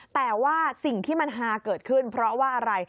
แต่ว่าสิ่งที่มันฮาเกิดขึ้นเพราะว่าอะไร